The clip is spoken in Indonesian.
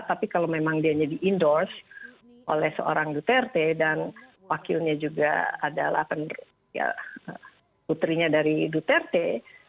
tapi kalau memang dia di endorse oleh seorang duterte dan wakilnya juga adalah putrinya dari duterte